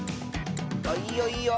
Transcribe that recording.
あっいいよいいよ。